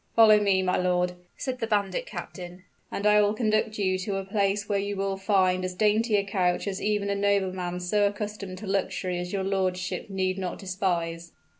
"Follow me, my lord," said the bandit captain; "and I will conduct you to a place where you will find as dainty a couch as even a nobleman so accustomed to luxury as your lordship need not despise."